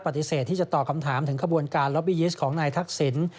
ปฏิเสธที่จะตอบคำถามถึงขบวนการล็อบบียิสต์ของนายทักษิณ